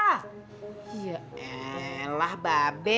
yaelah ba be